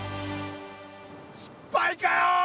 失敗かよ！